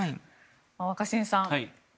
若新さん